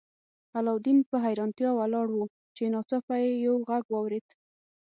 علاوالدین په حیرانتیا ولاړ و چې ناڅاپه یې یو غږ واورید.